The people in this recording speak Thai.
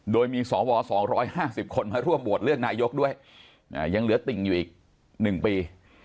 โดยมีสว๒๕๐คนมาร่วมโหวตเลือกนายกด้วยยังเหลือติ่งอยู่อีก๑ปี